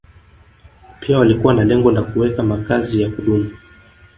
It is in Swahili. Pia walikuwa na lengo la kuweka makazi ya kudumu